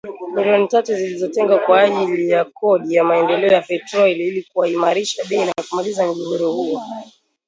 milioni tatu zilizotengwa kwa ajili ya Kodi ya Maendeleo ya petroli ili kuimarisha bei na kumaliza mgogoro huo